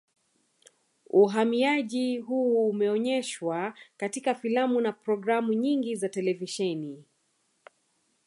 Uhamiaji huu umeonyeshwa katika filamu na programu nyingi za televisheni